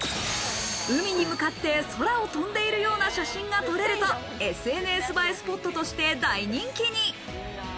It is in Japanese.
海に向かって空を飛んでいるような写真が撮れると、ＳＮＳ映えスポットとして大人気に。